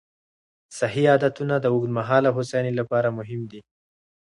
صحي عادتونه د اوږدمهاله هوساینې لپاره مهم دي.